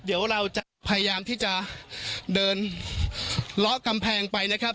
เดี๋ยวเราจะพยายามที่จะเดินเลาะกำแพงไปนะครับ